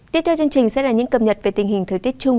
tiếp theo chương trình sẽ là những cập nhật về tình hình thời tiết chung